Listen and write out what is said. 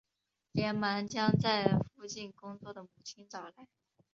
连忙将在附近工作的母亲找来